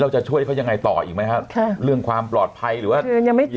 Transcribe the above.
เราจะช่วยเขายังไงต่ออีกไหมฮะค่ะเรื่องความปลอดภัยหรือว่าคือยังไม่จบ